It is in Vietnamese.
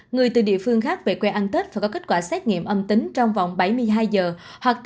người từ địa phương khác về quê ăn tết và có kết quả xét nghiệm âm tính trong vòng bảy mươi hai giờ